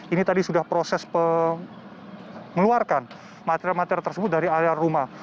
ini tadi sudah proses mengeluarkan material material tersebut dari area rumah